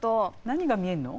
何が見えるの？